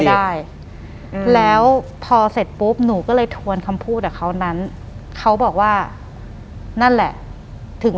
หลังจากนั้นเราไม่ได้คุยกันนะคะเดินเข้าบ้านอืม